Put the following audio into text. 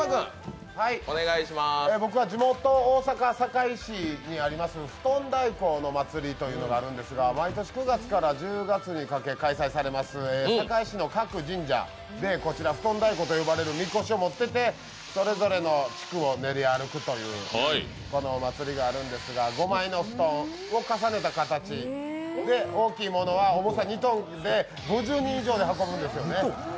僕は地元・大阪堺市にあります、ふとん太鼓のお祭りというのがあるんですが毎年９月から１０月にかけて開催されます、堺市の各神社でこちら、ふとん太鼓というみこしを持っててそれぞれの地区を練り歩くというお祭りがあるんですが、５枚の布団を重ねた形で大きいものは重さ２ｔで５０人以上で運ぶんですよね。